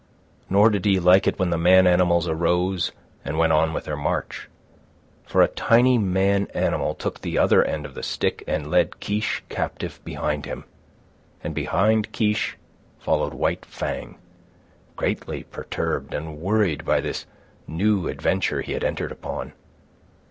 Nor did he like it when the man animals arose and went on with their march; for a tiny man animal took the other end of the stick and led Kiche captive behind him, and behind Kiche followed White Fang, greatly perturbed and worried by this new adventure he had entered upon.